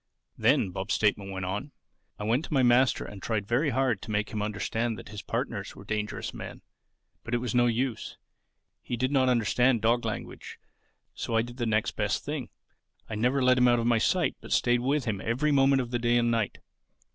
"Then," Bob's statement went on, "I went to my master and tried very hard to make him understand that his partners were dangerous men. But it was no use. He did not understand dog language. So I did the next best thing: I never let him out of my sight but stayed with him every moment of the day and night.